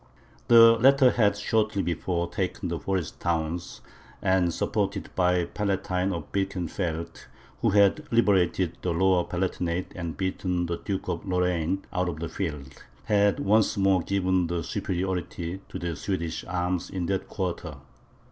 The latter had, shortly before, taken the Forest towns, and, supported by the Palatine of Birkenfeld, who had liberated the Lower Palatinate and beaten the Duke of Lorraine out of the field, had once more given the superiority to the Swedish arms in that quarter.